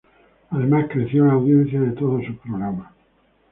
Además creció la audiencia de todos sus programas.